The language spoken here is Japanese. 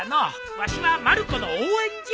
わしはまる子の応援じゃ！